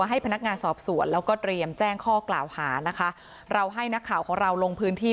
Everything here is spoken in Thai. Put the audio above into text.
ให้พนักงานสอบสวนแล้วก็เตรียมแจ้งข้อกล่าวหานะคะเราให้นักข่าวของเราลงพื้นที่